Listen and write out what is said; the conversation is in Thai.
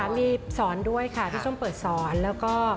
มีสอนด้วยค่ะพี่ส้มเปิดสอนแล้วก็